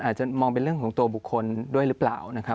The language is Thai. อาจจะมองเป็นเรื่องของตัวบุคคลด้วยหรือเปล่านะครับ